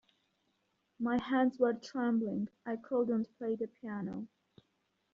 My hands were trembling, I couldn't play the piano.